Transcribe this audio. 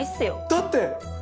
だって！